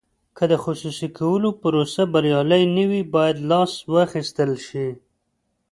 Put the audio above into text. که د خصوصي کولو پروسه بریالۍ نه وي باید لاس واخیستل شي.